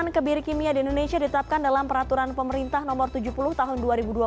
kebiri kimia di indonesia ditetapkan dalam peraturan pemerintah no tujuh puluh tahun dua ribu dua puluh